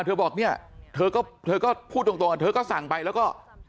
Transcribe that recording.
เธอบอกเธอก็พูดตรงเธอก็สั่งไปแล้วก็